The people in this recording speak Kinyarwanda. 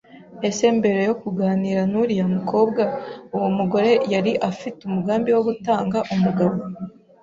Ese mbere yo kuganira n’uriya mukowa uwo mugore yari afite umugambi wo gutanga umugabo